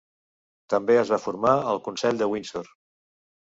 També es va formar el consell de Windsor.